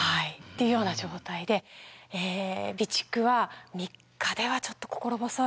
いうような状態で備蓄は３日ではちょっと心細い。